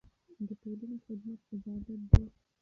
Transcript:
د ټولنې خدمت عبادت دی.